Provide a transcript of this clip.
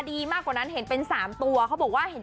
พี่แจ๊กเห็นเป็นตัวเลขใช่ไหม